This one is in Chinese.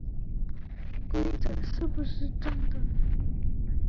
规则是不是真的